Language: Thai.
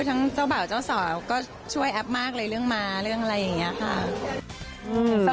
ทั้งเจ้าบ่าวเจ้าสาวก็ช่วยแอปมากเลยเรื่องม้าเรื่องอะไรอย่างนี้ค่ะ